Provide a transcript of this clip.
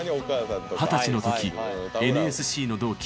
二十歳の時ＮＳＣの同期